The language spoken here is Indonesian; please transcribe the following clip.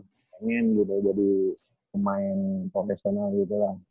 pengen gitu jadi pemain profesional gitu lah